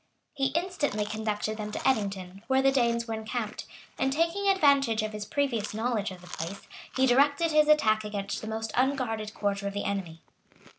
] He instantly conducted them to Eddington, where the Danes were encamped; and taking advantage of his previous knowledge of the place, he directed his attack against the most unguarded quarter of the enemy.